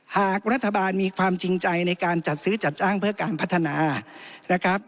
หากรัฐบาลมีความจริงใจในการจัดซื้อจัดจ้างเพื่อการพัฒนานะครับ